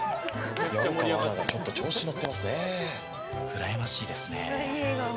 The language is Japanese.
うらやましいですね。